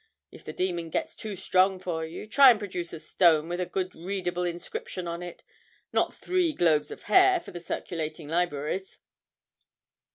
If the demon gets too strong for you, try and produce a stone with a good readable inscription on it not three globes of hair for the circulating libraries.'